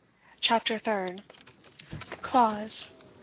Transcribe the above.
CHAPTER THIRD. Clause.